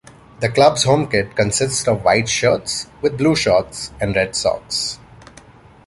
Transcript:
The club's home kit consists of white shirts with blue shorts and red socks.